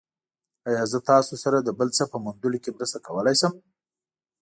ایا زه تاسو سره د بل څه په موندلو کې مرسته کولی شم؟